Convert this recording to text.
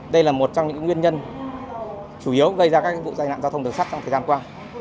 đây là một trong những nguyên nhân chủ yếu gây ra các vụ tai nạn giao thông đường sắt trong thời gian qua